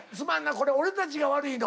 これ俺たちが悪いの。